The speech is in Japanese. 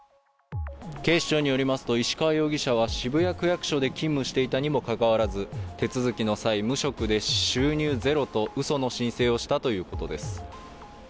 警視庁によりますと石川容疑者は渋谷区役所で勤務していたにもかかわらず、手続きの際、無職で収入ゼロとうその申請をしたということです。